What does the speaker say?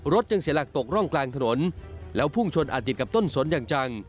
จึงเสียหลักตกร่องกลางถนนแล้วพุ่งชนอาจติดกับต้นสนอย่างจัง